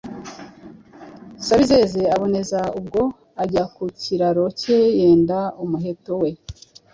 Sabizeze aboneza ubwo, ajya ku kiraro ke yenda umuheto we,